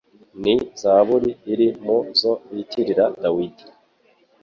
Ni zaburi iri mu zo bitirira Dawudi